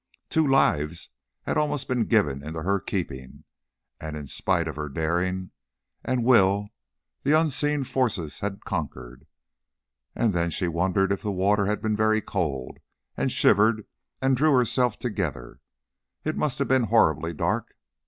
Two lives had almost been given into her keeping, and in spite of her daring and will the unseen forces had conquered. And then she wondered if the water had been very cold, and shivered and drew herself together. And it must have been horribly dark.